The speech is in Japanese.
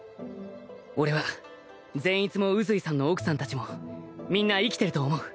俺は善逸も宇髄さんの奥さんたちもみんな生きてると思う。